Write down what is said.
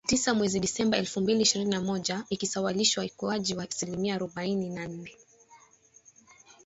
tisa mwezi Disemba elfu mbili ishirini na moja, ikiwasilisha ukuaji wa asilimia arobaini na nne